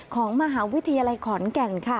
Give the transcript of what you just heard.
ของมหาวิทยาลัยขอนแก่นค่ะ